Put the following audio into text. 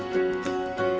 lalu dia nyaman